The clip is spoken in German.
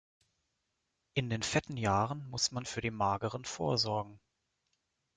In den fetten Jahren muss man für die mageren vorsorgen.